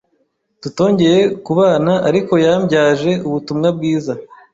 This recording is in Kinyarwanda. tutongeye kubanaariko yambyaje ubutumwa bwiza